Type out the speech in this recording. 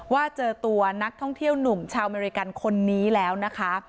ว่าเจอตัวนักท่องเที่ยวหนุ่มชาวอเมริกันคนนี้แล้วนะคะ